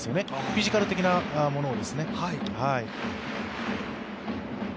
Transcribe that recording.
フィジカル的なものをですね。